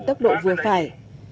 tốc độ vừa phải